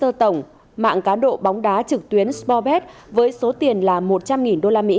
trong sơ tổng mạng cá độ bóng đá trực tuyến sporbet với số tiền là một trăm linh usd